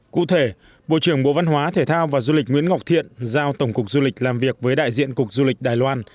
cụ thể bộ trưởng bộ văn hóa thể thao và du lịch nguyễn ngọc thiện giao tổng cục du lịch làm việc với đại diện cục du lịch đài loan